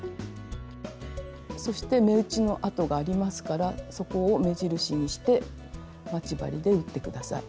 そして目打ちの跡がありますからそこを目印にして待ち針で打って下さい。